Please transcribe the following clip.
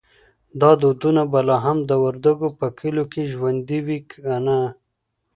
دا دودونه به لا هم د وردګو په کلیو کې ژوندی وي که نه؟